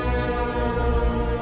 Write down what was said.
kita pulang aja yuk